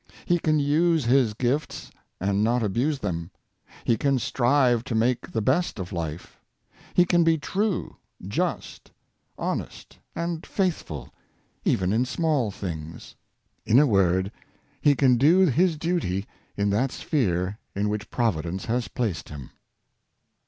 He can use his gifts and not abuse them. He can strive to make the best of life. He can be true, just, honest, and faithful, even in small things. In a word, he can do his duty in that sphere in which Provi dence has placed him.